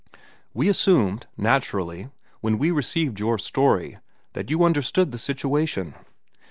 We assumed, naturally, when we received your story, that you understood the situation.